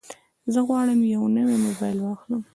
زه غواړم یو نوی موبایل واخلم.